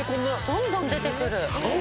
どんどん出てくる！